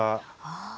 ああ。